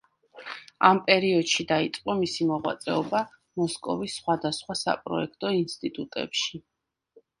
ამ პერიოდში დაიწყო მისი მოღვაწეობა მოსკოვის სხვადასხვა საპროექტო ინსტიტუტებში.